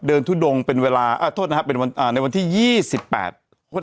ทุดงเป็นเวลาอ่าโทษนะครับเป็นวันอ่าในวันที่ยี่สิบแปด